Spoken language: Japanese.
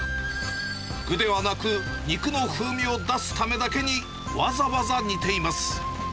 具ではなく、肉の風味を出すためだけに、わざわざ煮ています。